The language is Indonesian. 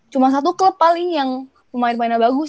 cuma satu klub paling yang pemain pemainnya bagus